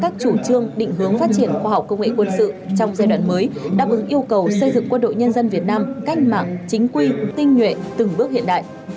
trong giai đoạn mới đáp ứng yêu cầu xây dựng quân đội nhân dân việt nam cách mạng chính quy tinh nhuệ từng bước hiện đại